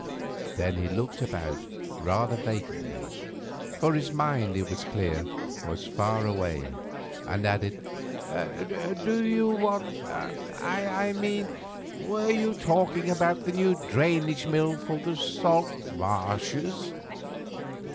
Then he looked about rather vacantly, for his mind, it was clear, was far away, and added, "Do you want: I mean, were you talking about the new drainage mill for the salt marshes?"